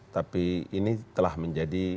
tapi ini telah menjadi